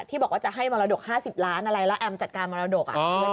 ที่บอกว่าจะให้มรดก๕๐ล้านอะไรแล้วแอมจัดการมรดก